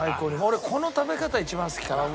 俺この食べ方一番好きかな。